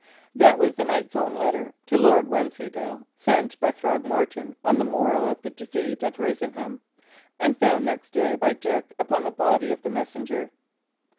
That was the knight's own letter to Lord Wensleydale, sent by Throgmorton, on the morrow of the defeat at Risingham, and found next day by Dick upon the body of the messenger.